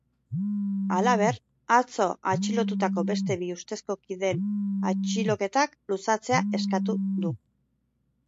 Halaber, atzo atxilotutako beste bi ustezko kideen atxiloketak luzatzea eskatu du.